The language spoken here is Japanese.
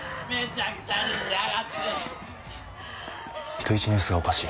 人質の様子がおかしい。